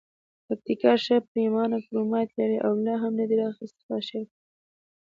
پکتیکا ښه پریمانه کرومایټ لري او لا هم ندي را اختسراج شوي.